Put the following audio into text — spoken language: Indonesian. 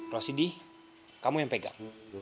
rosidi kamu yang pegang